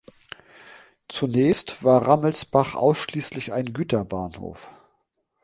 Zunächst war Rammelsbach ausschließlich ein Güterbahnhof.